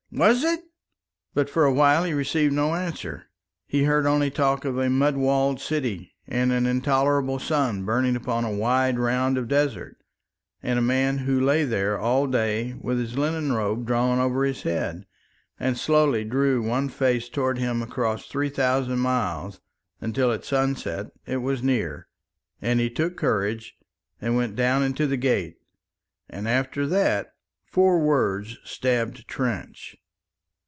Was it?" But for a while he received no answer. He heard only talk of a mud walled city, and an intolerable sun burning upon a wide round of desert, and a man who lay there all the day with his linen robe drawn over his head, and slowly drew one face towards him across three thousand miles, until at sunset it was near, and he took courage and went down into the gate. And after that, four words stabbed Trench.